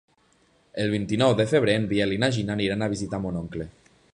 El vint-i-nou de febrer en Biel i na Gina aniran a visitar mon oncle.